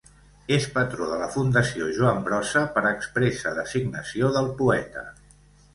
És patró de la Fundació Joan Brossa per expressa designació del poeta.